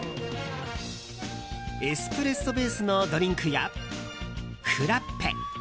エスプレッソベースのドリンクやフラッペ